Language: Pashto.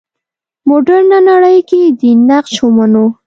مډرنه نړۍ کې دین نقش ومنو.